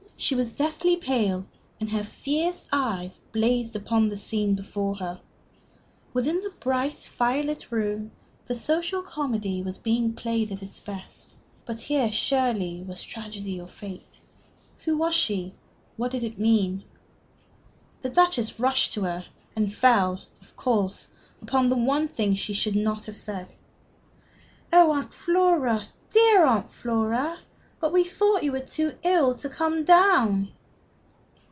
She was deathly pale, and her fierce eyes blazed upon the scene before her. Within the bright, fire lit room the social comedy was being played at its best; but here surely was Tragedy or Fate. Who was she? What did it mean? The Duchess rushed to her, and fell, of course, upon the one thing she should not have said. "Oh, Aunt Flora, dear Aunt Flora! But we thought you were too ill to come down!"